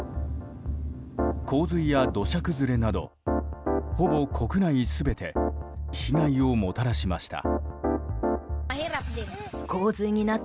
洪水や土砂崩れなどほぼ国内全て被害をもたらしました。